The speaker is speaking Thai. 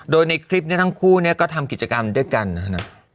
โดยในคลิปทั้งคู่ก็ทำกิจกรรมด้วยกันนะ